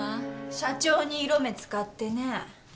社長に色目使ってね。